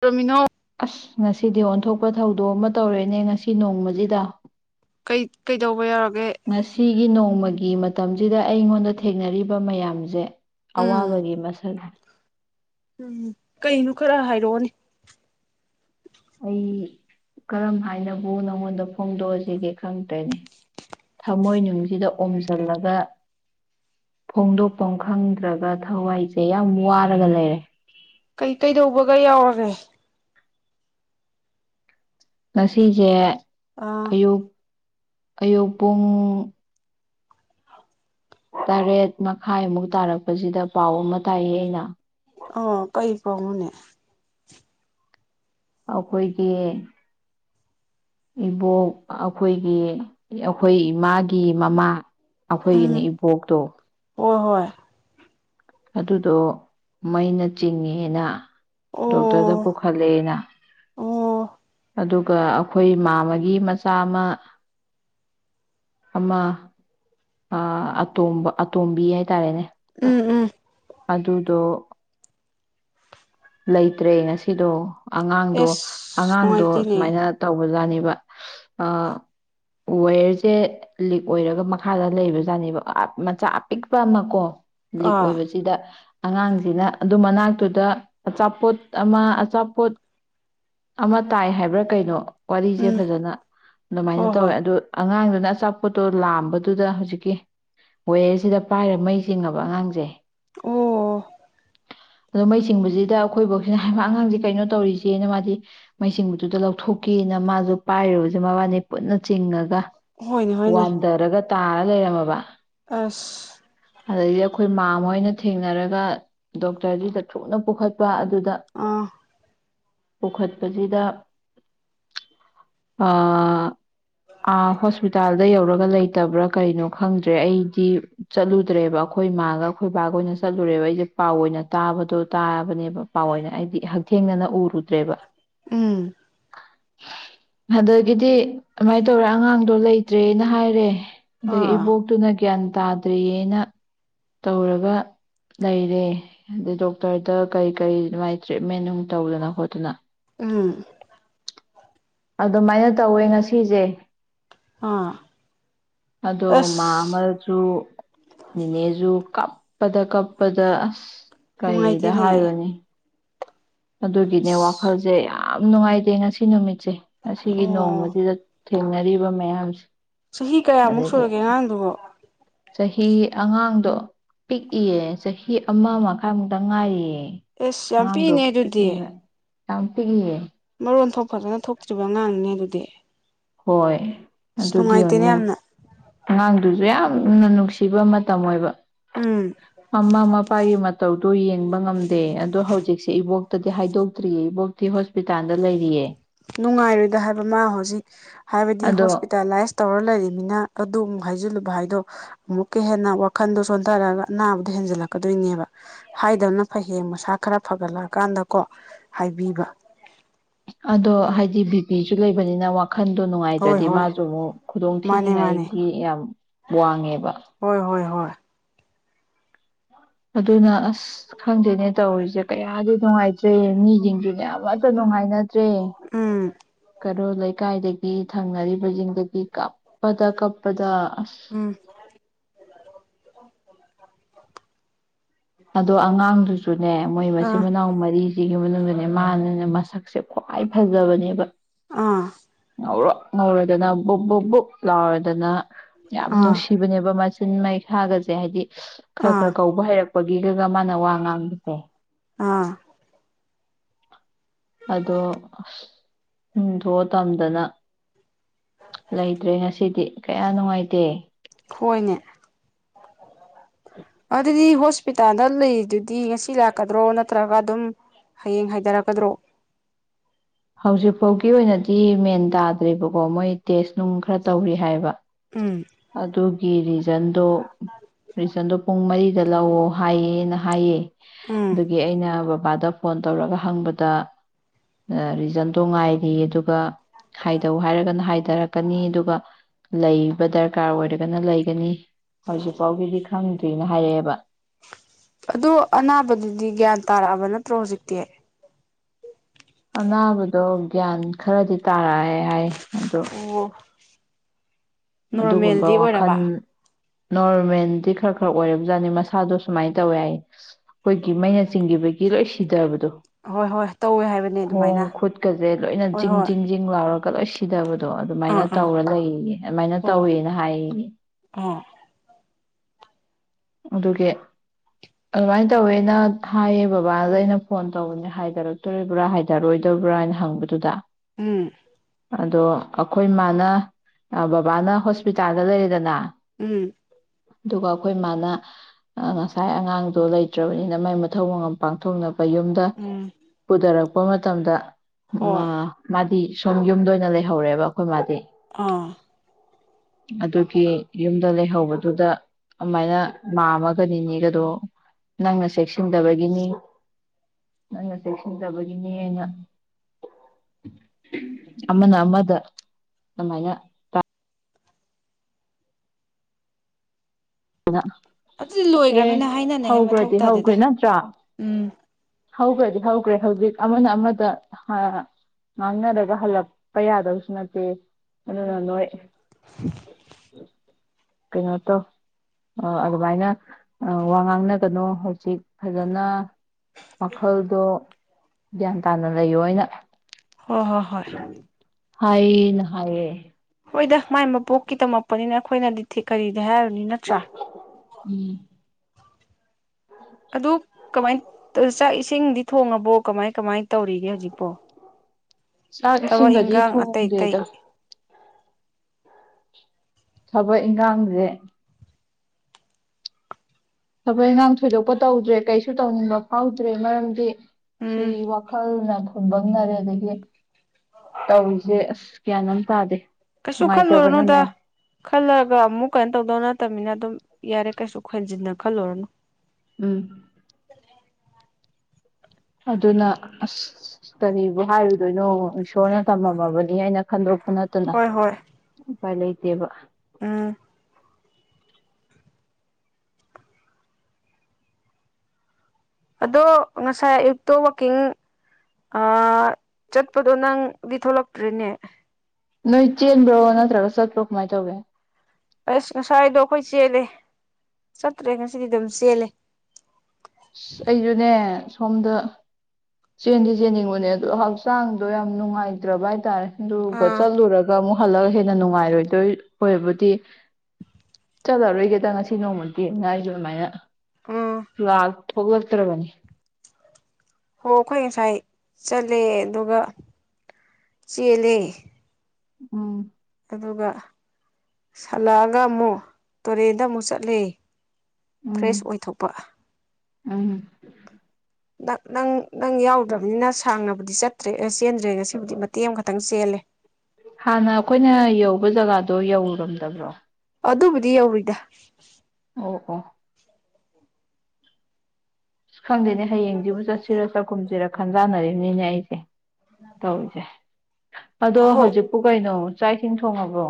ꯔꯃꯤꯅꯣ ꯉꯁꯤꯗꯤ ꯑꯣꯟꯊꯣꯛꯄ ꯊꯧꯗꯣꯛ ꯑꯃ ꯇꯧꯔꯦꯅꯦ ꯉꯁꯤ ꯅꯣꯡꯃꯁꯤꯗ ꯀꯩ ꯀꯩꯗꯧꯕ ꯌꯥꯔꯒꯦ ꯍꯤ ꯃꯇꯝꯁꯤꯗ ꯑꯩꯉꯣꯟꯗ ꯊꯦꯡꯅꯔꯤꯕ ꯃꯌꯥꯝꯁꯦ ꯎꯝ ꯑꯋꯥꯕꯒꯤ ꯃꯁꯛ ꯎꯝ ꯀꯩꯅꯣ ꯈꯔ ꯍꯥꯏꯔꯛꯑꯣꯅꯦ ꯑꯩ ꯀꯔꯝ ꯍꯥꯏꯅꯕꯨ ꯅꯪꯉꯣꯟꯗ ꯐꯣꯡꯗꯣꯛꯑꯁꯤꯒꯦ ꯈꯪꯗ꯭ꯔꯣꯏꯅꯦ ꯊꯃꯣꯏꯅꯨꯡꯁꯤꯗ ꯑꯣꯝꯁꯤꯜꯂꯒ ꯐꯣꯡꯗꯣꯛꯐꯝ ꯈꯪꯗ꯭ꯔꯒ ꯊꯋꯥꯏꯁꯦ ꯌꯥꯝ ꯋꯥꯔꯒ ꯂꯩꯔꯦ ꯀꯩ ꯀꯩꯗꯧꯕꯒ ꯌꯥꯎꯔꯒꯦ ꯉꯁꯤꯁꯦ ꯑꯥ ꯑꯌꯨꯛ ꯑꯌꯨꯛ ꯄꯨꯡ ꯇꯔꯦꯠ ꯃꯈꯥꯏꯃꯨꯛ ꯇꯥꯔꯛꯄꯁꯤꯗ ꯄꯥꯎ ꯑꯃ ꯇꯥꯛꯌꯦ ꯑꯩꯅ ꯑꯣ ꯀꯩ ꯄꯥꯎꯅꫭꯅꯦ ꯑꯩꯈꯣꯏꯒꯤ ꯏꯕꯣꯛ ꯑꯩꯈꯣꯏꯒꯤ ꯑꯩꯈꯣꯏ ꯏꯃꯥꯒꯤ ꯃꯃꯥ ꯎꯝ ꯑꯩꯈꯣꯏꯒꯤꯅꯦ ꯏꯕꯣꯛꯇꯣ ꯍꯣꯏ ꯍꯣꯏ ꯑꯗꯨꯗꯣ ꯃꯩꯅ ꯆꯤꯡꯉꯦꯅ ꯗꯣꯛꯇꯔꯗ ꯑꯣ ꯄꯨꯈꯠꯂꯛꯑꯦꯅ ꯑꯣ ꯑꯗꯨꯒ ꯑꯩꯈꯣꯏ ꯃꯥꯃꯒꯤ ꯃꯆꯥ ꯑꯃ ꯑꯃ ꯑꯇꯣꯝꯕ ꯑꯇꯣꯝꯕꯤ ꯍꯥꯏꯇꯥꯔꯦꯅꯦ ꯎꯝ ꯎꯝ ꯑꯗꯨꯗꯣ ꯂꯩꯇ꯭ꯔꯦ ꯉꯁꯤꯗꯣ ꯑꯉꯥꯡꯗꯣ ꯑꯦꯁ ꯑꯉꯥꯡꯗꯣ ꯅꯨꯡꯉꯥꯏꯇꯦꯅꯦ ꯁꯨꯃꯥꯏꯅ ꯇꯧꯕ ꯇꯧꯕꯖꯥꯅꯦꯕ ꯋꯦꯌꯔꯁꯦ ꯂꯤꯛ ꯑꯣꯏꯔꯒ ꯃꯈꯥꯗ ꯂꯩꯕꯖꯥꯠꯅꯦꯕ ꯃꯆꯥ ꯑꯄꯤꯛꯄ ꯑꯃ ꯀꯣ ꯂꯤꯛ ꯑꯥ ꯑꯣꯏꯕꯖꯤꯗ ꯑꯉꯥꯡꯁꯤꯅ ꯑꯗꯨ ꯃꯅꯥꯛꯇꯨꯗ ꯑꯆꯥꯄꯣꯠ ꯑꯃ ꯑꯆꯥꯄꯣꯠ ꯑꯃ ꯇꯥꯏ ꯍꯥꯏꯕ꯭ꯔꯥ ꯀꯩꯅꯣ ꯋꯥꯔꯤꯁꯦ ꯎꯝ ꯐꯖꯅ ꯑꯗꯨꯃꯥꯏꯅ ꯍꯣꯏ ꯍꯣꯏ ꯇꯧꯋꯦ ꯑꯗꯨ ꯑꯉꯥꯡꯗꯨ ꯑꯗꯨꯅ ꯑꯆꯥꯄꯣꯠꯇꯣ ꯂꯝꯕꯗꯨꯗ ꯍꯧꯖꯤꯛꯀꯤ ꯋꯦꯌꯔꯁꯤꯗ ꯄꯥꯏꯔ ꯃꯩ ꯆꯤꯡꯉꯕ ꯑꯉꯥꯡꯁꯦ ꯑꯣ ꯑꯗꯣ ꯃꯩ ꯆꯤꯡꯕꯁꯤ ꯁꯤꯗ ꯑꯩꯈꯣꯏ ꯕꫭꯛꯁꯤꯅ ꯍꯩꯃꯥ ꯑꯉꯥꯡꯁꯦ ꯀꯩꯅꯣ ꯇꯧꯔꯤꯁꯦꯅ ꯃꯥꯗꯤ ꯃꯩꯖꯤꯡꯕꯗꯨꯗ ꯂꯧꯊꯣꯛꯀꯦꯅ ꯃꯥꯁꯨ ꯄꯥꯏꯔꯨꯕꯁꯦ ꯃꯕꯥꯅꯤ ꯄꯨꯟꯅ ꯆꯤꯡꯉꯒ ꯍꯣꯏꯅꯦ ꯍꯣꯏꯅꯦ ꯋꯥꯟꯗꯔꯒ ꯇꯥꯔ ꯂꯩꯔꯝꯃꯕ ꯑꯁ ꯑꯗꯩꯗꯤ ꯑꯩꯈꯣꯏ ꯃꯥꯝꯃꯥ ꯍꫭꯏꯅ ꯊꯦꯡꯅꯔꯒ ꯗꯣꯛꯇꯔꯗꯨꯗ ꯊꯨꯅ ꯄꯨꯈꯠ ꯄ ꯑꯗꯨꯗ ꯑꯥ ꯄꯨꯈꯠꯄꯁꯤꯗ ꯑ ꯑ ꯍꯣꯁꯄꯤꯇꯥꯜꯗ ꯌꯧꯔꯒ ꯂꯩꯇꯕ꯭ꯔꯥ ꯀꯅꯣ ꯈꯪꯗ꯭ꯔꯦ ꯑꯩꯗꯤ ꯆꯠꯂꯨꯗ꯭ꯔꯦꯕ ꯑꯩꯈꯣꯏ ꯏꯃꯥꯒ ꯑꯩꯈꯣꯏ ꯕꯥꯒ ꯑꯣꯏꯅ ꯆꯠꯂꯨꯔꯦꯕ ꯑꯩꯁꯦ ꯄꯥꯎ ꯑꯣꯏꯅ ꯇꯥꯕꯗꯣ ꯇꯥꯕꯅꯦꯕ ꯄꯥꯎ ꯑꯣꯏꯅ ꯑꯩꯗꯤ ꯊꯦꯡꯅ ꯂꯛꯎ ꯗ꯭ꯔꯦꯕ ꯎꯝ ꯑꯗꯒꯤꯗꯤ ꯑꯗꯨꯃꯥꯏꯅ ꯇꯧꯔ ꯑꯉꯥꯡꯗꯣ ꯂꯩꯇ꯭ꯔꯦꯅ ꯍꯥꯏꯔꯦ ꯑꯗꯩ ꯑꯥ ꯏꯕꯣꯛꯇꯨꯅ ꯒꯥꯌꯟꯇꯗ꯭ꯔꯦꯅ ꯇꯧꯔꯒ ꯂꯩꯔꯦ ꯑꯗꯩ ꯗꯣꯛꯇꯔꯗ ꯀꯔꯤ ꯀꯔꯤ ꯑꯗꯨꯃꯥꯏ ꯇ꯭ꯔꯤꯠꯃꯦꯟ ꯅꯨꯡ ꯇꯧꯗꯅ ꯈꯣꯠꯇꯅ ꯎꯝ ꯑꯗꯨꯃꯥꯏꯅ ꯇꯧꯋꯦ ꯉꯁꯤꯁꯦ ꯑ ꯑꯗꯣ ꯃꯥ ꯑꯃꯁꯨ ꯅꯦꯅꯦꯁꯨ ꯀꯞ ꯀ ꯄꯗ ꯀꯞꯄꯗ ꯀꯩꯗ ꯅꯨꯡꯉꯥꯏꯇꯦꯅꯦ ꯑꯁ ꯍꯥꯏꯔꯨꯅꯤ ꯑꯗꯨꯒꯤꯅꯦ ꯋꯥꯈꯜꯁꯦ ꯌꯥꯝ ꯅꯨꯡꯉꯥꯏꯇꯦ ꯉꯁꯤ ꯅꯨꯃꯤꯠꯁꯦ ꯑꯁꯤꯒꯤ ꯑꯣ ꯅꯣꯡꯃꯗꯨꯗ ꯊꯦꯡꯅꯔꯤꯕ ꯃꯌꯥꯝꯁꯦ ꯆꯍꯤ ꯀꯌꯥꯃꯨꯛ ꯑꯗꯒꯤ ꯁꯨꯔꯒꯦ ꯑꯉꯥꯡꯗꯨꯕꯣ ꯆꯍꯤ ꯑꯉꯥꯡꯗꯣ ꯄꯤꯛꯏꯌꯦ ꯆꯍꯤ ꯑꯃ ꯃꯈꯥꯏꯃꯨꯛꯇ ꯉꯥꯏꯔꯤꯌꯦ ꯑꯦꯁ ꯌꯥꯝ ꯑꯉꯥꯡꯗꯣ ꯄꯤꯛꯏꯅꯦ ꯑꯗꯨꯗꯤ ꯄꯤꯛꯏꯕ ꯌꯥꯝ ꯄꯤꯛ ꯏꯌꯦ ꯃꯔꯣꯟ ꯊꯣꯛ ꯐꯖꯅ ꯊꯣꯛꯇ꯭ꯔꯤꯕ ꯑꯉꯥꯡꯅꯦ ꯑꯗꯨꯗꯤ ꯍꯣꯏ ꯑꯁ ꯑꯗꯨꯗꯤ ꯅꯨꯡꯉꯥꯏꯇꯦꯅꯦ ꯌꯦꯡꯉꯨꯅꯦ ꯌꯥꯝꯅ ꯑꯉꯥꯡꯗꯨꯁꯨ ꯌꯥꯝꯅ ꯅꯨꯡꯁꯤꯕ ꯃꯇꯝ ꯑꯣꯏꯕ ꯎꯝ ꯃꯃꯥ ꯃꯥꯄꯥꯒꯤ ꯃꯥ ꯇꯧꯗꯣ ꯌꯦꯡꯕ ꯉꯝꯗꯦ ꯑꯗꯣ ꯍꯧꯖꯤꯛꯁꯦ ꯏꯕꯣꯛꯇꯗꯤ ꯍꯥꯏꯗꯣꯛꯇ꯭ꯔꯤꯌꯦ ꯏꯕꯣꯛꯇꯤ ꯍꯣꯁꯄꯤꯇꯥꯜꯗ ꯂꯩꯔꯤꯌꯦ ꯅꯨꯡꯉꯥꯏꯔꯣꯏꯗ ꯍꯥꯏꯕ ꯃꯥ ꯍꯧꯖꯤꯛ ꯍꯥꯏꯕꯗꯤ ꯑꯗꯣ ꯍꯣꯁꯄꯤꯇꯥꯂꯥꯏꯁ ꯇꯧꯔ ꯂꯩꯅꯤꯅ ꯑꯗꯨ ꯑꯃꯨꯛ ꯍꯥꯏꯖꯤꯜꯂꯨ ꯚꯥꯏꯗꯣ ꯑꯃꯨꯛꯀ ꯍꯦꯟꯅ ꯋꯥꯈꯟꯗꯣ ꯁꯣꯟꯊꯔꯛꯑꯒ ꯑꯅꯥꯕꯗꯣ ꯍꯦꯟꯖꯜꯂꯛꯀꯗꯣꯏꯅꯦꯕ ꯍꯥꯏꯗꯕꯅ ꯐꯌꯦꯡ ꯃꯁꯥ ꯈꯔ ꯐꯒꯠꯂꯛꯑꯀꯥꯟꯗꯀꯣ ꯍꯥꯏꯕꯤꯕ ꯑꯗꯣ ꯍꯥꯏꯗꯤ ꯕꯤ ꯄꯤꯁꯨ ꯂꯩꯕꯅꯤꯅ ꯋꯥꯈꯟꯗꯣ ꯍꯣꯏ ꯅꯨꯡꯉꯥꯏꯗ꯭ꯔꯗꯤ ꯍꯣꯏ ꯃꯥꯁꯨ ꯑꯃꯨꯛ ꯈꯨꯗꯣꯡ ꯃꯥꯅꯦ ꯃꯥꯅꯦ ꯊꯤꯅꯤꯡꯉꯥꯏꯒꯤ ꯌꯥꯝ ꯋꯥꯡꯉꯦꯕ ꯍꯣꯏ ꯍꯣꯏ ꯍꯣꯏ ꯑꯗꯨꯅ ꯑꯁ ꯈꯪꯗꯦꯅꯦ ꯇꯧꯔꯤꯁꯦ ꯀꯌꯥꯗꯤ ꯅꯨꯡꯉꯥꯏꯇ꯭ꯔꯦ ꯃꯤꯁꯤꯡꯁ ꯃꯌꯥꯝ ꯑꯃꯇ ꯅꯨꯡꯉꯥꯏꯅꯗ꯭ꯔꯦ ꯎꯝ ꯑꯗꯣ ꯂꯩꯀꯥꯏꯗꯒꯤ ꯊꯪꯅꯔꯤꯕꯁꯤꯡꯗꯒꯤ ꯀꯞꯄꯗ ꯀꯥꯞꯄꯗ ꯎꯝ ꯑꯗꯣ ꯑꯉꯥꯡꯗꯨꯁꯨ ꯇꯨꯅꯦ ꯃꯣꯏ ꯃꯆꯤꯟ ꯑꯥ ꯃꯅꯥꯎ ꯃꯔꯤ ꯁꯤꯒꯤ ꯃꯅꯨꯡꯗꯅꯦ ꯃꯥꯅꯅꯦ ꯃꯁꯛꯁꯦ ꯈ꯭ꯋꯥꯏ ꯐꯖꯕꯅꯦꯕ ꯑꯥ ꯉꯧꯔꯣ ꯉꯧꯔꯗꯅ ꯕꯨꯛ ꯕꯨꯛ ꯕꯨꯛ ꯂꯥꯎꯔꯗꯅ ꯌꯥꯝ ꯑꯥ ꯅꯨꯡꯁꯤꯕꯅꯦꯕ ꯃꯥ ꯁꯤꯟ ꯃꯩꯈꯥꯒꯁꯦ ꯍꯥꯏꯗꯤ ꯈꯔ ꯑꯥ ꯈꯔ ꯀꯧꯕ ꯍꯩꯔꯛ ꯂꯄꯒꯤꯒ ꯃꯥꯅ ꯋꯥ ꯉꯥꯡꯕꯁꯦ ꯑꯥ ꯑꯗꯣ ꯑꯁꯨꯝ ꯊꯣꯛꯑꯣ ꯇꯝꯗꯅ ꯂꯩꯗ꯭ꯔꯦ ꯉꯁꯤꯗꯤ ꯀꯌꯥ ꯅꯨꯡꯉꯥꯏꯇꯦ ꯍꯣꯏꯅꯦ ꯑꯗꯨꯗꯤ ꯍ ꯍꯣꯁꯄꯤꯇꯥꯜꯗ ꯂꯩꯗꯨꯗꯤ ꯉꯁꯤ ꯂꯥꯛꯀꯗ꯭ꯔꯣ ꯅꯠꯇ꯭ꯔꯒ ꯑꯗꯨꯝ ꯍꯌꯦꯡ ꯍꯥꯏꯊꯔꯛꯀꯗ꯭ꯔꯣ ꯍꯧꯖꯤꯛꯐꯥꯎꯒꯤ ꯑꯣꯏꯅꯗꯤ ꯃꯦꯟ ꯇꯥꯗ꯭ꯦꯕꯀꯣ ꯃꯣꯏ ꯇꯦꯁ ꯅꯨꯡ ꯈꯔ ꯇꯧꯔꯤ ꯍꯥꯏꯕ ꯎꯝ ꯑꯗꯨꯒꯤ ꯔꯤꯖꯟꯗꯣ ꯔꯤꯖꯟꯗꯣ ꯄꯨꯡ ꯃꯔꯤꯗ ꯂꯧꯋꯣ ꯍꯥꯏꯌꯦꯅ ꯍꯥꯏꯌꯦ ꯎꯝ ꯑꯗꯨꯒꯤ ꯑꯩꯅ ꯕꯕꯥꯗ ꯐꯣꯟ ꯇꯧꯔꯒ ꯍꯪꯕꯗ ꯔꯤꯖꯟꯗꯣ ꯉꯥꯏꯔꯤ ꯑꯗꯨꯒ ꯍꯥꯏꯗꯧ ꯍꯥꯏꯔꯒꯅ ꯍꯥꯏꯊꯔꯛꯀꯅꯤ ꯑꯗꯨꯒ ꯂꯩꯕ ꯗꯔꯀꯥꯔ ꯑꯣꯏꯔꯒꯅ ꯂꯩꯒꯅꯤ ꯍꯧꯖꯤꯛꯐꯥꯎꯒꯤꯗꯤ ꯈꯪꯗ꯭ꯔꯤꯅ ꯍꯥꯏꯔꯛꯑꯦꯕ ꯑꯗꯨ ꯑꯅꯥꯕꯗꯨꯗꯤ ꯒ꯭ꯌꯥꯟ ꯇꯥꯔꯛꯑꯕ ꯅꯠꯇ꯭ꯔꯣ ꯍꯧꯖꯤꯛꯇꯤ ꯑꯅꯥꯕꯗꯣ ꯒ꯭ꯌꯥꯟ ꯈꯔꯗꯤ ꯇꯥꯔꯛꯑꯦ ꯍꯥꯏ ꯑꯗꯣ ꯑꯣ ꯑꯗꯨꯒꯨꯝꯕ ꯅꯣꯔꯃꯦꯜꯗꯤ ꯑꯣꯏꯔꯕ ꯋꯥꯈꯜ ꯅꯣꯔꯃꯦꯜꯗꯤ ꯈꯔ ꯈꯔ ꯑꯣꯏꯔꯕ ꯖꯥꯠꯅꯦ ꯃꯁꯥꯗꯣ ꯁꯨꯃꯥꯏꯅ ꯇꯧꯋꯦ ꯍꯥꯏ ꯑꯩꯈꯣꯏꯒꯤ ꯃꯩꯅ ꯆꯤꯡꯈꯤꯕꯒꯤ ꯂꯣꯏ ꯁꯤꯗꯕꯗꯣ ꯍꯣꯏ ꯍꯣꯏ ꯇꯧꯋꯦ ꯍꯥꯏꯕꯅꯦ ꯑꯗꯨꯃꯥꯏꯅ ꯈꯣꯡ ꯈꯨꯠꯀꯁꯦ ꯂꯣꯏꯅ ꯍꯣꯏ ꯖꯤꯡ ꯍꯣꯏ ꯖꯤꯡ ꯖꯤꯡ ꯂꯥꯎꯔꯒ ꯀ ꯁꯤꯗꯥꯕ ꯑꯗꯣ ꯑꯗꯨꯃꯥꯏꯅ ꯑꯥ ꯑꯥ ꯇꯧꯔ ꯂꯩꯌꯦꯒꯦ ꯑꯗꯨꯃꯥꯏꯅ ꯍꯣꯏ ꯇꯧꯋꯦꯅ ꯍꯥꯏꯌꯦ ꯑꯥ ꯑꯗꯨꯒꯤ ꯑꯗꯨꯃꯥꯏꯅ ꯇꯧꯋꯦꯅ ꯍꯥꯏꯌꯦ ꯕꯕꯥꯗ ꯑꯩꯅ ꯐꯣꯟ ꯇꯧꯕꯅꯦ ꯍꯥꯏꯊꯔꯛꯇꯣꯔꯤꯕ꯭ꯔꯥ ꯍꯥꯏꯊꯔꯣꯏꯗꯕ꯭ꯔꯥ ꯍꯥꯏꯅ ꯍꯪꯕꯗꯨꯗ ꯎꯝ ꯑꯗꯣ ꯑꯩꯈꯣꯏ ꯏꯃꯥꯅ ꯕꯕꯥꯅ ꯍꯣꯁꯄꯤꯇꯥꯜꯗ ꯂꯩꯔꯦꯗꯅ ꯎꯝ ꯑꯗꯨꯒ ꯑꯩꯈꯣꯏ ꯃꯥꯅ ꯉꯁꯥꯏ ꯑꯉꯥꯡꯗꯣ ꯂꯩꯇ꯭ꯔꯕꯅꯤꯅ ꯃꯥꯏ ꯃꯊꯧ ꯃꯉꯝ ꯄꯥꯡꯊꯣꯛꯅꯕ ꯃꯌꯨꯝꯗ ꯎꯝ ꯄꯨꯊꯔꯛꯄ ꯄ ꯃꯇꯝꯗ ꯃꯥ ꯍꯣꯏ ꯃꯥꯗꯤ ꯁꯨꯝ ꯌꯨꯝꯗ ꯑꯣꯏꯅ ꯂꯩꯍꯧꯔꯦꯕ ꯑꯩꯈꯣꯏ ꯃꯥꯗꯤ ꯑꯥ ꯑꯗꯨꯒꯤ ꯌꯨꯝꯗ ꯂꯩꯍꯧꯕꯗꯨꯗ ꯑꯗꯨꯃꯥꯏꯅ ꯃꯥꯝꯃꯒ ꯅꯤꯅꯤꯒꯗꯣ ꯅꯪꯅ ꯆꯦꯛꯁꯤꯟꯗꯕꯒꯤꯅꯤ ꯅꯪꯅ ꯆꯦꯛꯁꯤꯟꯗꯕꯒꯤꯅꯤ ꯑꯦꯅ ꯑꯃꯅ ꯑꯃꯗ ꯑꯗꯨꯃꯥꯏꯅ ꯑꯗꯨꯗꯤ ꯑꯦ ꯂꯣꯏꯈ꯭ꯔꯕꯅꯤꯅ ꯍꯥꯏꯅꯅꯤꯡꯉꯥꯏ ꯃꯊꯧ ꯍꯧꯈ꯭ꯔꯗꯤ ꯍꯧꯈ꯭ꯔꯦ ꯇꯥꯗꯦꯗ ꯅꯠꯇ꯭ꯔꯥ ꯎꯝ ꯍꯧꯈ꯭ꯔꯗꯤ ꯍꯧꯈ꯭ꯔꯦ ꯍꯧꯖꯤꯛ ꯑꯃꯅ ꯑꯃꯗ ꯉꯥꯡꯅꯔꯒ ꯍꯜꯂꯛꯄ ꯌꯥꯗꯕꯁꯨ ꯅꯠꯇꯦ ꯑꯗꯨꯅ ꯅꯣꯏ ꯀꯩꯅꯣ ꯇꯧ ꯑꯗꯨꯃꯥꯏꯅ ꯋꯥ ꯉꯥꯡꯅꯒꯅꯨ ꯍꯧꯖꯤꯛ ꯐꯖꯅ ꯋꯥꯈꯜꯗꯣ ꯒ꯭ꯌꯥꯟ ꯇꯥꯅ ꯂꯩꯌꯣꯅ ꯍꯣ ꯍꯣ ꯍꯣꯏ ꯍꯥꯏ ꯅ ꯍꯥꯏꯌꯦ ꯍꯣꯏꯗ ꯃꯥꯏ ꯃꯄꯣꯛꯀꯤ ꯇꯝꯃꯛꯄꯅꯤꯅ ꯑꯩꯈꯣꯏꯅꯗꯤꯤ ꯀꯔꯤ ꯍꯦꯔꯅꯤꯅꯠꯇ꯭ꯔꯥ ꯎꯝ ꯑꯗꯨ ꯀꯃꯥꯏꯅ ꯆꯥꯛ ꯏꯁꯤꯡꯗꯤ ꯊꯣꯡꯉꯕꯣ ꯀꯃꯥꯏ ꯀꯃꯥꯏ ꯇꯧꯔꯤꯒꯦ ꯍꯧꯖꯤꯛꯄꯣ ꯆꯥꯛ ꯊꯕꯛ ꯏꯁꯤꯡꯒꯗꯤ ꯏꯟꯈꯥꯡ ꯑꯇꯩ ꯑꯇꯩ ꯊꯣꯡꯗ꯭ꯔꯦꯗ ꯊꯕꯛ ꯏꯟꯈꯥꯡꯁꯦ ꯊꯕꯛ ꯏꯪꯈꯥꯡ ꯊꯣꯏꯗꯣꯛꯄ ꯇꯧꯗ꯭ꯔꯦ ꯀꯩꯁꯨ ꯇꯧꯅꯤꯡꯕ ꯐꯥꯎꯗ꯭ꯔꯦ ꯃꯔꯝꯗꯤ ꯁꯤ ꯎꯝ ꯋꯥꯈꯜ ꯅ ꯈꯟꯕꯅꯔꯦ ꯑꯗꯒꯤ ꯇꯧꯔꯤꯁꯦ ꯑꯁ ꯒ꯭ꯌꯥꯟꯣꯝ ꯇꯥꯗꯦ ꯀꯩꯁꯨ ꯈꯜꯂꯨꯔꯅꯨꯗ ꯅꯨꯡꯉꯥꯏꯇꯕꯅꯅꯦ ꯈꯜꯂꯒ ꯑꯃꯨꯛ ꯀꯩꯅꯣ ꯇꯧꯗꯧꯅ ꯐꯠꯇꯅꯤꯅ ꯑꯗꯨꯝ ꯌꯥꯔꯦ ꯀꯩꯁꯨ ꯈꯟꯖꯤꯟꯅ ꯈꯜꯂꯨꯔꯅꯨ ꯎꯝ ꯑꯗꯨꯅ ꯑꯁ ꯀꯔꯤꯕꯨ ꯍꯥꯏꯔꯨꯗꯣꯏꯅꯣ ꯏꯁꯣꯔꯅ ꯇꯝꯃꯝꯃꯕꯅꯤ ꯍꯥꯏꯅ ꯈꯟꯗꯣꯛ ꯑꯠꯇꯂ ꯍꯣꯏ ꯍꯣꯏ ꯐ ꯂꯩ ꯂꯩꯇꯦꯕ ꯎꯝ ꯑꯗꯣ ꯉꯁꯥꯏ ꯑꯌꯨꯛꯇꯣ ꯋꯥꯛꯀꯤꯡ ꯆꯠꯄꯗꯣ ꯅꯪ ꯄ ꯊꯣꯛꯂꯛꯇ꯭ꯔꯔꯤꯅꯦ ꯅꯣꯏ ꯆꯦꯟꯕ꯭ꯔꯣ ꯅꯠꯇ꯭ꯔꯒ ꯆꯠꯄ꯭ꯔꯣ ꯀꯃꯥꯏꯅ ꯇꯧꯒꯦ ꯑꯁ ꯉꯁꯥꯏꯗꯣ ꯑꯩꯈꯣꯏ ꯆꯦꯜꯂꯦ ꯆꯠꯇ꯭ꯔꯦ ꯉꯁꯤꯗꯤ ꯑꯗꯨꯝ ꯆꯦꯜꯂꯦ ꯑꯁ ꯑꯩꯁꯨꯅꯦ ꯁꯣꯝꯗ ꯆꯦꯟꯗꯤ ꯆꯦꯟꯅꯤꯡꯕꯅꯦ ꯑꯗꯣ ꯍꯛꯆꯥꯡꯗꯣ ꯌꯥꯝ ꯅꯨꯡꯉꯥꯏꯇ꯭ꯔꯕ ꯍꯥꯏꯇꯥꯔꯦ ꯑꯗꯨꯒ ꯑꯥ ꯆꯠꯂꯨꯔꯒ ꯑꯃꯨꯛ ꯍꯜꯂꯒ ꯍꯦꯟꯅ ꯅꯨꯡꯉꯥꯏꯔꯣꯏꯗꯣꯏ ꯑꯣꯏꯕꯨꯗꯤ ꯆꯠꯂꯔꯣꯏꯒꯦꯗ ꯉꯁꯤ ꯅꯣꯡꯃꯗꯤ ꯉꯥꯏꯁꯨ ꯑꯗꯨꯃꯥꯏꯅ ꯎꯝ ꯂ ꯍꯂ ꯇꯔꯒꯅꯤ ꯑꯣ ꯑꯩꯈꯣꯏ ꯉꯁꯥꯏ ꯆꯠꯂꯦ ꯑꯗꯨꯒ ꯆꯦꯜꯂꯦ ꯎꯝ ꯑꯗꯨꯒ ꯁꯥꯜꯂꯛꯑꯒ ꯑꯃꯨꯛ ꯇꯨꯔꯦꯟꯗ ꯑꯃꯨꯛ ꯆꯠꯂꯦ ꯐ꯭ꯔꯦꯁ ꯎꯝ ꯑꯣꯏꯊꯣꯛꯄ ꯎꯝ ꯅꯪ ꯅꯪ ꯅꯪ ꯌꯥꯎꯗ꯭ꯔꯕꯅꯤꯅ ꯁꯥꯡꯅꯕꯨꯗꯤ ꯆꯠꯇ꯭ꯔꯦ ꯑꯁ ꯆꯦꯟꯗ꯭ꯔꯦ ꯉꯁꯤꯕꯨꯗꯤ ꯃꯇꯦꯛ ꯑꯃꯈꯛꯇꯪ ꯇꯂꯦ ꯍꯥꯟꯅ ꯑꯩꯈꯣꯏꯅ ꯌꯧꯕ ꯖꯒꯥꯗꯣ ꯌꯧꯔꯔꯝꯗꯕ꯭ꯔꯣ ꯑꯗꯨꯕꯨꯗꯤ ꯌꯧꯔꯤꯗ ꯑꯣ ꯑꯣ ꯁ ꯈꯪꯗꯦꯅꯦ ꯍꯌꯦꯡꯁꯤꯕꯨ ꯆꯠꯁꯤꯔ ꯆꯥꯛꯈꯨꯝꯁꯤꯔꯛ ꯈꯟꯖꯥꯟꯅꯔꯤꯕꯅꯤꯅꯦ ꯑꯩꯁꯦ ꯇꯧꯁꯦ ꯑꯗꯣ ꯍꯣ ꯍꯧꯖꯤꯛꯄꯨ ꯀꯩꯅꯣ ꯆꯥꯏ ꯏꯊꯁꯤꯡ ꯊꯣꯡꯉꯕ꯭ꯔꯣ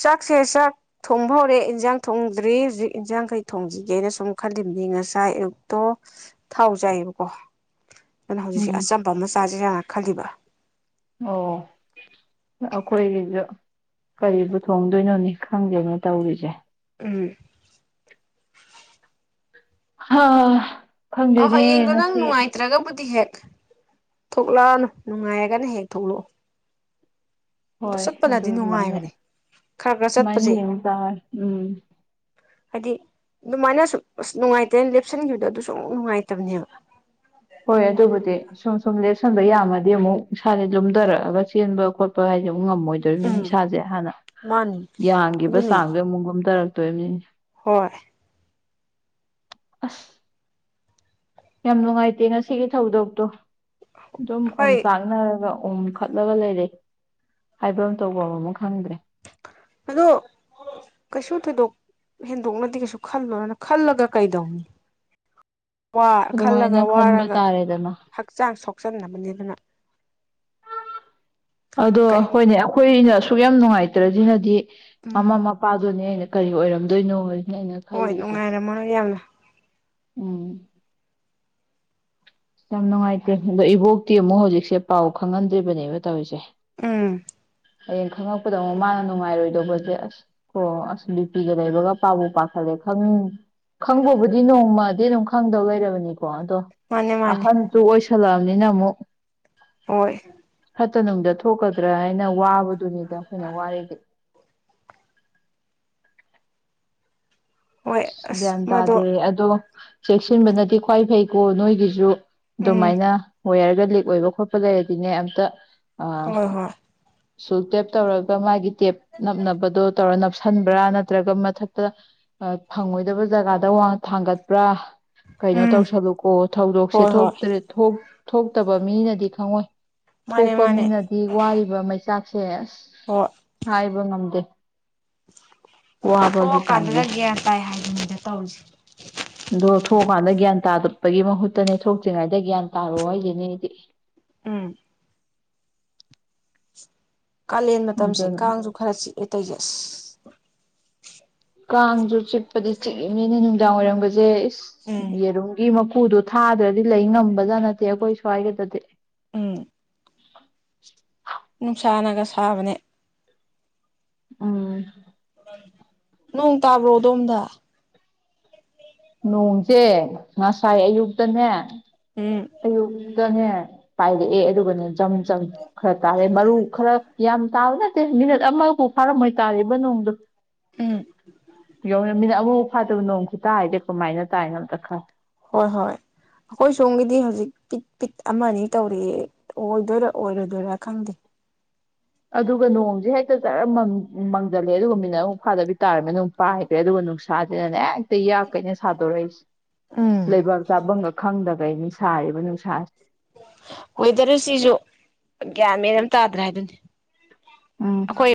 ꯆꯥꯛꯁꯦ ꯆꯥꯛ ꯊꯣꯡꯕ ꯍꯧꯔꯦ ꯏꯟꯁꯥꯡ ꯊꯣꯡꯗ꯭ꯔꯤ ꯍꯧꯖꯤꯛ ꯏꯟꯖꯥꯡꯈꯩ ꯊꯣꯡꯁꯤꯒꯦꯅ ꯁꯨꯝ ꯈꯜꯂꯤꯕꯅꯤ ꯉꯁꯥꯏ ꯑꯌꯨꯛꯇꯣ ꯊꯥꯎ ꯆꯥꯏꯑꯕꯀꯣ ꯑꯗꯨꯅ ꯍꯧꯖꯤꯛꯁꯦ ꯎꯝ ꯑꯆꯝꯕ ꯃꯆꯥꯁꯤꯦ ꯌꯥꯝ ꯈꯜꯂꯤꯕ ꯑꯣ ꯑꯩꯈꯣꯏꯒꯤꯁꯨ ꯀꯔꯤꯕꯨ ꯊꯣꯡꯗꯣꯏꯅꯣꯅꯤ ꯈꯪꯒꯦꯅ ꯇꯧꯔꯤꯁꯦ ꯎꯝ ꯍꯥ ꯑ ꯍꯣꯏ ꯈꯪꯗꯦꯅꯦ ꯌꯦꯡꯣ ꯅꯪ ꯉꯁꯤ ꯅꯨꯅꯨꯡꯋꯥꯥꯏꯇ꯭ꯔꯒꯕꯨꯗꯤ ꯍꯦ ꯊꯣꯛꯂꯛꯑꯅꯨ ꯅꯨꯡꯉꯥꯏꯔꯒꯅ ꯍꯦꯛ ꯊꯣꯛꯂꯛꯑꯣ ꯍꯣꯏ ꯑꯗꯨ ꯆꯠꯄꯅꯗꯤ ꯑꯗꯨꯃꯥꯏꯅ ꯅꯨꯡꯉꯥꯏꯕꯅꯦ ꯈꯔ ꯈꯔ ꯑꯗꯨꯃꯥꯏꯅ ꯆꯠꯄꯁꯦ ꯌꯦꯡꯖꯥ ꯎꯝ ꯍꯥꯏꯗꯤ ꯑꯗꯨꯃꯥꯏꯅꯁꯨ ꯑꯁ ꯅꯨꯡꯉꯥꯏꯇꯦꯅ ꯂꯦꯞꯁꯟꯈꯤꯕꯗꯣ ꯑꯗꯨ ꯁꯨꯝ ꯅꯨꯡꯉꯥꯏꯇꯕꯅꯦꯕ ꯍꯣꯏ ꯑꯗꯨꯕꯨꯗꯤ ꯁꯨꯝ ꯁꯨꯝ ꯂꯦꯛꯁꯟꯕ ꯌꯥꯃꯗꯤ ꯑꯃꯨꯛ ꯏꯁꯥꯥꯁꯦ ꯂꯨꯝꯊꯔꯛꯑꯒ ꯆꯦꯟꯕ ꯈꯣꯠꯄ ꯍꯥꯏꯗꯤ ꯑꯃꯨꯛ ꯉꯝꯃꯣꯏꯗꯣꯔꯤꯕꯅꯤ ꯎꯝ ꯏꯁꯥꯁꯦ ꯍꯥꯟꯅ ꯃꯥꯅꯤ ꯌꯥꯡꯈꯤꯕ ꯑꯗꯨꯅꯤ ꯆꯥꯡꯗꯣ ꯑꯃꯨꯛ ꯀꯨꯝꯊꯔꯛ ꯇꯃꯤ ꯍꯣꯏ ꯑ ꯌꯥꯝ ꯅꯨꯡꯉꯥꯏꯇꯦ ꯉꯁꯤꯒꯤ ꯊꯧꯗꯣꯛꯇꯣ ꯑꯗꯨꯝ ꯑꯣꯝ ꯍꯣꯏ ꯆꯥꯛꯅꯔꯒ ꯎꯝ ꯐꯠꯂꯒ ꯂꯩꯔꯦ ꯍꯥꯏꯕ ꯑꯃ ꯇꯧꯕ ꯑꯃꯃ ꯈꯪꯗ꯭ꯔꯦ ꯑꯗꯣ ꯀꯩꯁꯨ ꯊꯣꯏꯗꯣꯛ ꯍꯦꯟꯗꯣꯛꯅꯗꯤ ꯀꯩꯁꯨ ꯈꯜꯂꯅ ꯈꯜꯂꯒ ꯀꯩꯗꯧꯅꯤ ꯑꯗꯨꯃꯥꯏꯅ ꯈꯜꯂꯒ ꯈꯟꯕ ꯋꯥꯔꯒ ꯇꯥꯔꯦꯗꯅ ꯍꯛꯆꯥꯡ ꯁꯣꯛꯆꯟꯅꯕꯅꯤ ꯑꯗꯨꯅ ꯑꯗꯣ ꯀꯔꯤꯝ ꯍꯣꯏꯅꯦ ꯑꯩꯈꯣꯏꯅ ꯁꯨꯛ ꯌꯥꯝ ꯅꯨꯡꯉꯥꯏꯇ꯭ꯔꯗꯤꯅꯗꯤ ꯎꯝ ꯑꯃꯃꯄꯥ ꯑ ꯑꯗꯨꯅꯦ ꯌꯦ ꯀꯔꯤ ꯑꯣꯏꯔꯝꯗꯣꯏꯅꯣ ꯑꯩꯅ ꯍꯣꯏ ꯈꯜꯂꯤꯁꯦ ꯅꯨꯡꯉꯥꯏꯔꯃꯅꯣ ꯌꯥꯝꯂ ꯎꯝ ꯌꯥꯝ ꯅꯨꯡꯉꯥꯏꯇꯦ ꯑꯗꯣ ꯏꯕꯣꯛꯇꯤ ꯑꯃꯨꯛ ꯍꯧꯖꯤꯛꯁꯦ ꯄꯥꯎ ꯈꯪꯍꯟꯗ꯭ꯔꯤꯕꯅꯦꯕ ꯇꯧꯔꯤꯁꯦ ꯎꯝ ꯍꯌꯦꯡ ꯈꯉꯛꯄꯗ ꯑꯃꯨꯛ ꯃꯥꯅ ꯅꯨꯡꯉꯥꯏꯔꯣꯏ ꯧꯕꯁꯦ ꯑꯁ ꯀ ꯑꯁ ꯅꯨꯄꯤꯒ ꯂꯩꯕꯒ ꯄꯥꯕꯨ ꯄꯥꯈꯠꯂꯦ ꯈꯪ ꯈꯪꯕꯕꯨꯗꯤ ꯅꯣꯡꯃ ꯑꯗꯨ ꯑꯗꯨꯝ ꯈꯪꯗꯧ ꯂꯩꯔꯕꯅꯤꯀ ꯀꯗꯣ ꯃꯥꯅꯦ ꯃꯥꯅꯦ ꯑꯍꯟ ꯇ ꯑꯣꯏ ꯆꯂꯑꯅꯤꯅ ꯑꯃꯨꯛ ꯍꯣꯏ ꯐꯠꯇ ꯅꯨꯡꯗ ꯊꯣꯛꯀꯗ꯭ꯔꯥ ꯍꯥꯏꯅ ꯋꯥꯕ ꯑꯗꯨꯨꯅꯤꯗ ꯑꯩꯈꯣꯏꯅ ꯋꯥꯔꯤꯔꯗꯤ ꯍꯣꯏ ꯑꯁ ꯃꯥꯗꯣ ꯁꯤꯗꯗꯗꯦ ꯑꯗꯣ ꯆꯦꯛꯁꯤꯟꯕꯅꯗꯤꯦ ꯈ꯭ꯋꯥꯏ ꯐꯩꯀꯣ ꯅꯣꯏꯒꯤꯁꯨ ꯎꯝ ꯑꯗꯨꯃꯥꯏꯅ ꯋꯌꯔꯒ ꯂꯤꯛ ꯑꯣꯏꯕ ꯈꯣꯠꯄ ꯂꯩꯔꯗꯤꯅꯦ ꯑꯝꯇ ꯑꯥ ꯍꯣꯏ ꯍꯣꯏ ꯁꯨꯜ ꯇꯦꯞ ꯇꯧꯒ ꯃꯥꯒꯤ ꯦꯞ ꯅꯝꯕꯗꯣ ꯇꯧꯔ ꯅꯞꯁꯤꯟꯕ꯭ꯔꯥ ꯅꯠꯇ꯭ꯔꯒ ꯃꯊꯛꯇ ꯐꯪꯉꯣꯏꯗꯕ ꯖꯒꯥꯗ ꯋꯥ ꯊꯥꯡꯒꯠꯄ꯭ꯔꯥ ꯀꯩꯅꯣ ꯎꯝ ꯇꯧꯁꯜꯂꯨꯀꯣ ꯊꯧꯗꯣꯛꯁꯦ ꯍꯣꯏ ꯍꯣꯏ ꯊꯣꯛꯇ꯭ꯔꯦ ꯊꯣꯛ ꯊꯣꯛꯇꯕ ꯃꯤꯅꯗꯤ ꯈꯪꯉꯣꯏ ꯃꯥꯅꯦ ꯊꯣꯛꯄ ꯃꯥꯅꯦ ꯃꯤꯅꯗꯤ ꯋꯥꯔꯤꯕ ꯃꯩꯆꯥꯛ ꯁꯤꯦ ꯍꯣꯏ ꯑ ꯏꯕꯣ ꯅꯝꯗꯦ ꯋꯥꯍꯕꯒꯤ ꯆꯥꯟꯦ ꯊꯣꯛꯑꯀꯥꯟꯗꯒ ꯒ꯭ꯌꯥꯟ ꯇꯥꯏ ꯍꯥꯏꯗꯅꯤꯗ ꯇꯧꯔꯤꯁꯤ ꯑ ꯊꯣꯛꯑꯀꯥꯟꯗ ꯒ꯭ꯌꯥꯟ ꯇꯥꯗꯠꯄꯒꯤ ꯃꯍꯨꯠꯇꯅꯦ ꯊꯣꯛꯇ꯭ꯔꯤꯉꯩꯗ ꯒ꯭ꯌꯥꯟ ꯇꯥꯔꯣꯑꯣ ꯍꯥꯏꯁꯤꯅꯦꯗꯤ ꯎꯝ ꯀꯥꯂꯦꯟ ꯃꯇꯝꯁꯤꯦ ꯑꯗꯨꯅ ꯀꯥꯡꯁꯨ ꯈꯔ ꯆꯤꯛꯑꯦ ꯇꯩꯖꯁ ꯀꯥꯡꯁꯨ ꯆꯤꯛꯄꯗꯤ ꯆꯤꯛꯏꯅꯤꯅ ꯅꯨꯡꯗꯥꯡ ꯋꯥꯏꯔꯝꯝꯕꯁꯦ ꯎꯝ ꯌꯦꯔꯨ ꯃ ꯎꯄꯨꯗꯣ ꯊꯥꯗ꯭ꯔꯗꯤ ꯂꯩ ꯉꯝꯕꯖꯥꯠꯅꯠꯇꯦ ꯑꯩꯈꯣꯏ ꯁ꯭ꯋꯥꯏꯒꯗꯗꯤ ꯎꯝ [unintelligible] ꯅꯨꯡꯁꯥꯅꯒ ꯁꯥꯕꯅꯦ ꯎꯝ ꯅꯣꯡ ꯇꯥꯕ꯭ꯔꯣ ꯑꯗꯣꯝꯗ ꯅꯣꯡꯁꯦ ꯉꯁꯥꯏ ꯑꯌꯨꯛꯇꯅꯦ ꯎꯝ ꯑꯣ ꯅꯦ ꯄꯥꯏꯔꯛꯑꯦ ꯑꯗꯨꯒꯅꯦ ꯆꯝ ꯆꯝ ꯈꯔ ꯇꯥꯔꯦ ꯃꯔꯨ ꯈꯔ ꯌꯥꯝ ꯇꯥꯕꯅꯦ ꯃꯤꯅꯠ ꯑꯃꯐꯥꯎ ꯐꯥꯔꯝꯃꯣꯏ ꯇꯥꯔꯤꯕ ꯅꯣꯡꯗꯣ ꯎꯝ ꯌꯧꯔꯃꯤꯅ ꯑꯃꯨꯛ ꯐꯥꯗꯕ ꯅꯣꯡ ꯇꯨꯠ ꯇꯥꯏꯗꯦ ꯀꯃꯥꯏꯅ ꯇꯥꯏꯅ ꯑꯝꯇ ꯈꯟꯂꯨ ꯍꯣꯏ ꯍꯣꯏ ꯑꯩꯈꯣꯏ ꯁꯣꯝꯒꯤꯗꯤ ꯍꯧꯖꯤꯛ ꯄꯤꯠ ꯄꯤꯠ ꯑꯃ ꯑꯅꯤ ꯇꯧꯔꯤꯛꯦ ꯑꯣꯏꯗꯣꯏꯔꯥ ꯑꯣꯏꯔꯣꯏꯗꯣꯏꯔꯥ ꯈꯪꯗꯦ ꯑꯗꯨꯒ ꯅꯣꯡꯁꯦ ꯍꯦꯛꯇ ꯆꯔ ꯃꯪꯖꯜꯂꯦ ꯑꯗꯨꯒ ꯃꯤꯅ ꯑꯃꯨꯛ ꯐꯥꯗꯕꯤ ꯇꯥꯔꯅꯤꯅ ꯅꯅꯨꯡ ꯄꯥꯏꯒ꯭ꯔꯦ ꯑꯗꯨꯒ ꯅꯨꯡꯁꯥꯁꯤꯅꯅꯦ ꯍꯦꯛꯇ ꯌꯥꯛ ꯀꯩꯅ ꯁꯥꯗꯣꯔꯛꯏꯁꯦ ꯎꯝ ꯂꯩꯕꯥꯛ ꯆꯥꯐꯝꯒ ꯈꯪꯗꯕ ꯀꯩ ꯅꯨꯡꯁꯥꯔꯤꯕ ꯅꯨꯡꯁꯥꯁꯤ ꯋꯦꯗꯔꯁꯤꯁꯨ ꯒ꯭ꯌꯥꯟ ꯃꯦꯟ ꯑꯃ ꯇꯥꯗ꯭ꯔꯦ ꯍꯥꯏꯗꯨꯅꯦ ꯎꯝ